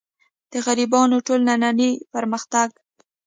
د غربیانو ټول نننۍ پرمختګ.